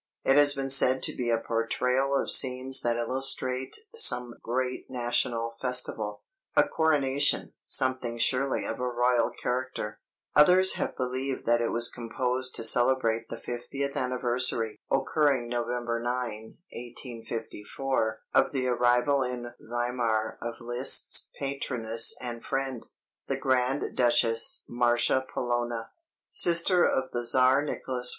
It has been said to be a "portrayal of scenes that illustrate some great national festival" "a coronation, something surely of a royal character"; others have believed that it was composed to celebrate the fiftieth anniversary (occurring November 9, 1854) of the arrival in Weimar of Liszt's patroness and friend, the Grand Duchess Marcia Paulowna, sister of the Tsar Nicholas I.